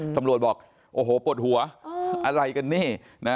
ตำรวจบอกโอ้โหปวดหัวอะไรกันนี่นะ